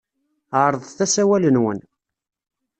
Ɛerḍet asawal-nwen.